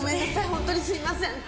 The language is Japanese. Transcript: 本当にすいません。